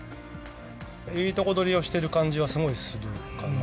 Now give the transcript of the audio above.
いいとこ取りをしている感じはすごいするかな。